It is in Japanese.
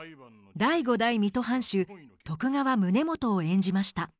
第五代水戸藩主徳川宗翰を演じました。